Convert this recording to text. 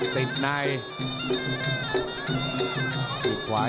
ลักษณะคือเข้มอีกแล้ว